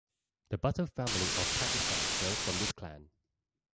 The Bhutto family of Pakistan hails from this clan.